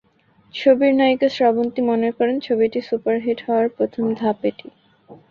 ছবির নায়িকা শ্রাবন্তী মনে করেন, ছবিটি সুপার হিট হওয়ার প্রথম ধাপ এটি।